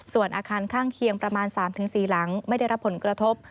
ส่วนอาคารข้างเคียงประมาณ๓๔หลังไม่ได้รับผลกระทบ